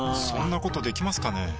そんなことできますかね？